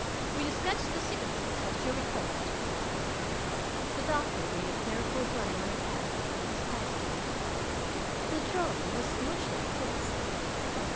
"Will you sketch the cicatrix as you recall it?" The doctor made a careful drawing on a pad that was passed to him. The drawing was much like this.